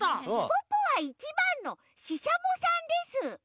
ポッポは１ばんのししゃもさんです。